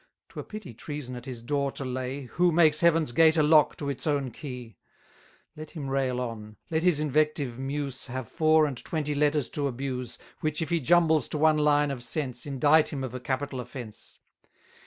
'Twere pity treason at his door to lay, Who makes heaven's gate a lock to its own key: Let him rail on, let his invective muse Have four and twenty letters to abuse, Which, if he jumbles to one line of sense, Indict him of a capital offence.